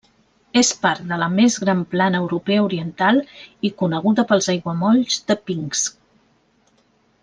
És part de la més gran Plana europea oriental i coneguda pels aiguamolls de Pinsk.